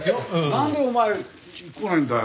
なんでお前来ないんだよ？